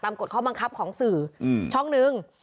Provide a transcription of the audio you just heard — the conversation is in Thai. กฎข้อบังคับของสื่อช่องหนึ่ง